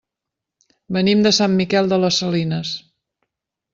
Venim de Sant Miquel de les Salines.